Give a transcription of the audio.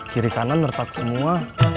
kiri kanan nertak semua